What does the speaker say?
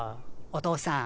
お父さん。